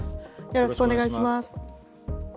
よろしくお願いします。